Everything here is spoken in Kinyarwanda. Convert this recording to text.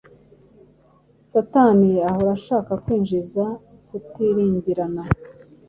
Satani ahora ashaka kwinjiza kutiringirana,